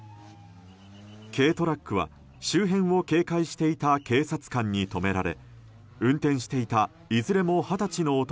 軽トラックは周辺を警戒していた警察官に止められ運転していたいずれも二十歳の男